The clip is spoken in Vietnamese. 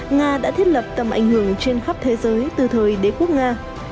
nga đã thiết lập tầm ảnh hưởng trên khắp thế giới từ thời đế quốc nga